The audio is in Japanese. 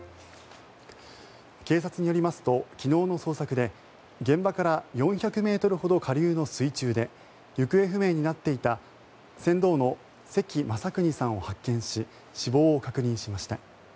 警察によりますと昨日の捜索で現場から４００ｍほど下流の水中で行方不明になっていた船頭の関雅有さんを発見し死亡を確認しました。